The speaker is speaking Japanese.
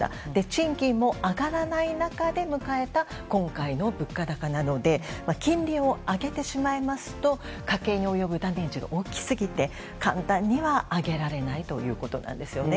賃金も上がらない中で迎えた今回の物価高なので金利を上げてしまいますと家計に及ぶダメージが大きすぎて簡単には上げられないということなんです。